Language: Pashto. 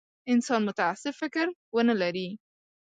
انسان متعصب فکر ونه لري.